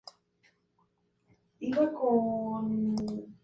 Existe cierto tono burlesco hacia el pasaje bíblico al que hace referencia.